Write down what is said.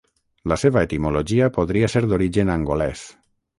La seva etimologia podria ser d'origen angolès.